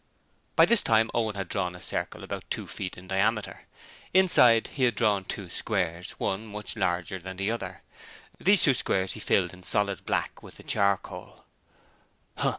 By this time Owen had drawn a circle about two feet in diameter. Inside he had drawn two squares, one much larger than the other. These two squares he filled in solid black with the charcoal.